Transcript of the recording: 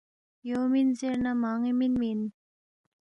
یو مِن زیر نہ مان٘ی مِنمی اِن